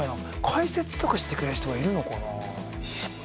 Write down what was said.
解説とかしてくれる人がいるのかな。